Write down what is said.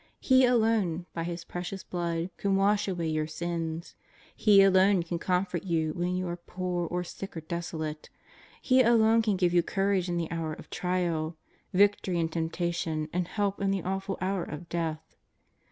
He alone, by His Precious Blood, can wash away your sins. He alone can com fort you when you are poor, or sick, or desolate. He alone can give you courage in the hour of trial, vic tory in temptation, and help in the awful hour of death.